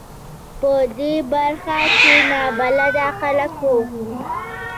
په دې برخه کې نابلده خلک و.